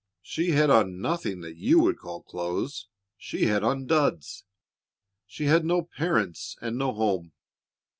She had on nothing that you would call clothes; she had on duds. She had no parents and no home.